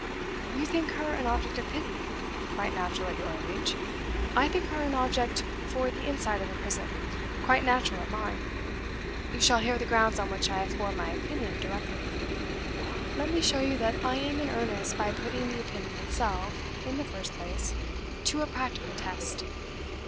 You think her an object of pity quite natural at your age. I think her an object for the inside of a prison quite natural at mine. You shall hear the grounds on which I have formed my opinion directly. Let me show you that I am in earnest by putting the opinion itself, in the first place, to a practical test.